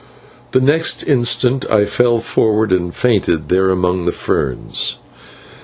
The next instant I fell forward and fainted there among the ferns.